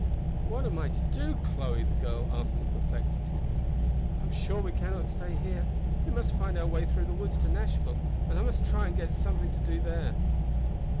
"What am I to do, Chloe?" the girl asked in perplexity. "I am sure we cannot stay here. We must find our way through the woods to Nashville, and I must try and get something to do there."